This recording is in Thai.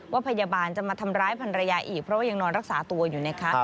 พยาบาลจะมาทำร้ายพันรยาอีกเพราะว่ายังนอนรักษาตัวอยู่นะคะ